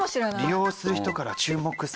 利用する人から注目されない。